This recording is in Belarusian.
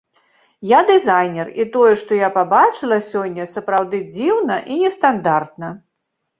Я дызайнер і тое, што я пабачыла сёння, сапраўды дзіўна і нестандартна.